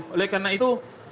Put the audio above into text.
oleh karena itu